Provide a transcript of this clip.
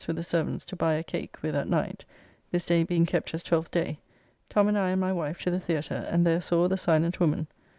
with the servants to buy a cake with at night, this day being kept as Twelfth day) Tom and I and my wife to the Theatre, and there saw "The Silent Woman."